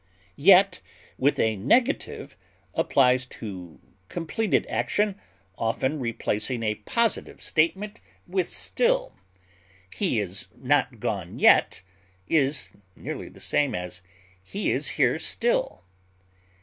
Yet with a negative applies to completed action, often replacing a positive statement with still; "he is not gone yet" is nearly the same as "he is here still."